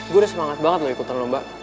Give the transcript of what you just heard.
gue udah semangat banget loh ikutan lomba